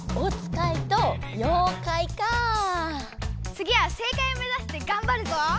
つぎは正解をめざしてがんばるぞ！